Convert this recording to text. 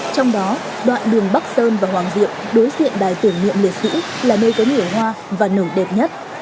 trong đó đoạn đường bắc sơn và hoàng diệp đối diện đài tuyển niệm liệt sĩ là nơi có nhiều hoa và nở đẹp nhất